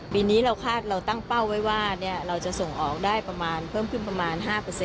ปีนี้เราตั้งเป้าไว้ว่าเราจะส่งออกได้ประมาณเพิ่มขึ้นประมาณ๕